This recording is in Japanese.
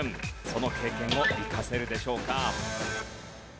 その経験を生かせるでしょうか？